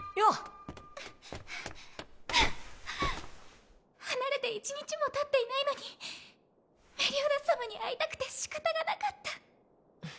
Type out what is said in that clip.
・タッタッタッ離れて１日もたっていないのにメリオダス様に会いたくてしかたがなかった。